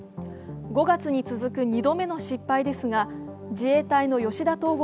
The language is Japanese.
５月に続く２度目の失敗ですが自衛隊の吉田統合